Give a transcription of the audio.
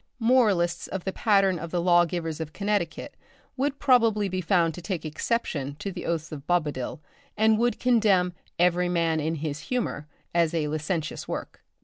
Moralists of the pattern of the law givers of Connecticut would probably be found to take exception to the oaths of Bobadil, and would condemn 'Every Man in his Humour' as a licentious work.